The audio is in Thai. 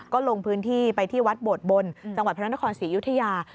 ก็ลงพื้นที่ไปที่วัดโบดบนจังหวัดพระนครศรีอยุธยา